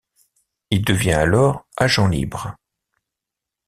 Il devient alors agent libre.